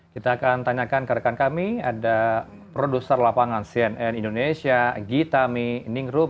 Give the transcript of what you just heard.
kita akan tanyakan ke rekan kami ada produser lapangan cnn indonesia gita miningrum